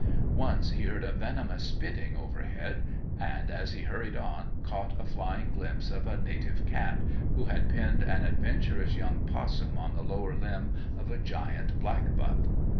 Once he heard a venomous spitting overhead and, as he hurried on, caught a flying glimpse of a native cat, who had pinned an adventurous young 'possum on the lower limb of a giant black butt.